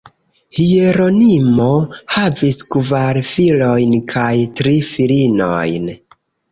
Hieronimo havis kvar filojn kaj tri filinojn.